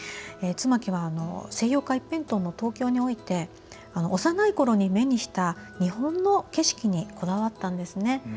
妻木は西洋化一辺倒の東京において幼いころに目にした日本の景色にこだわったんですね。